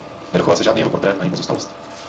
Nedochoval se žádný jeho portrét ani pozůstalost.